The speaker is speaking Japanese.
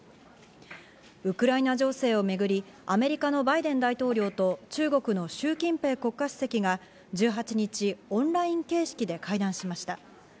ウクライナ情勢をめぐり、アメリカのバイデン大統領と、中国のシュウ・キンペイ国家主席が１８日、オンライン形式で会談しました。